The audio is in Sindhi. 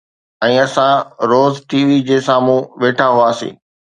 ۽ اسان روز ٽي وي جي سامهون ويٺا هئاسين